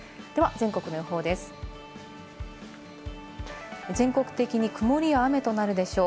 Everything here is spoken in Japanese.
全国的に曇りや雨となるでしょう。